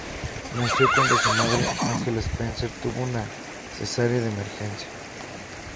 Nació cuando su madre, Angela Spencer, tuvo una cesárea de emergencia.